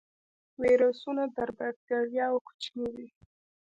ویروسونه تر بکتریاوو کوچني دي